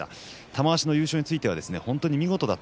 玉鷲の優勝については本当に見事だ。